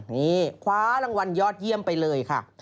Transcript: นี่คว้ารางวัลยอดเยี่ยมไปเลยค่ะ